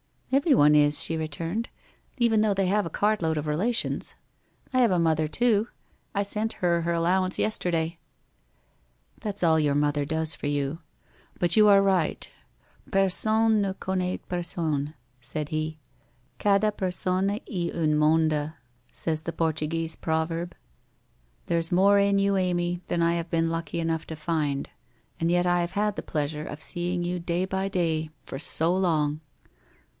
' Everyone is,' she returned. ' Even though they have a cartload of relations. I have a mother, too. I sent her her allowance yesterday.' ' That's all your mother does for you. But you are right, Personne ne connait personnel said he. ' Cada persona e un monda, says the Portuguese proverb. There's more in you, Amy, than I have been lucky enough to find, and yet I have had the pleasure of seeing you day by day, for so long